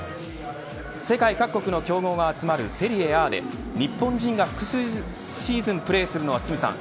世界各国の強豪が集まるセリエＡで日本人が複数シーズンプレーするのは堤さん